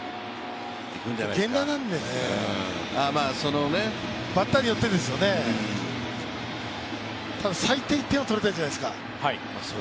源田なんでね、バッターによってですよね。最低１点は取りたいじゃないですか